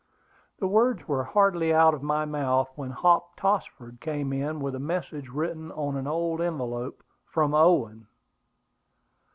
The words were hardly out of my mouth when Hop Tossford came in with a message written on an old envelope, from Owen.